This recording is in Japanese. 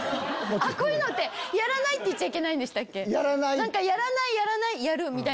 こういうのってやらないって言っちゃいけないんでしたっけ？